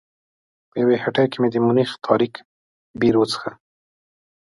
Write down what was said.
په یوه هټۍ کې مې د مونیخ تاریک بیر وڅښه.